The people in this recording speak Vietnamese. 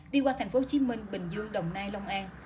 đi qua tp hcm bình dương đồng nai long an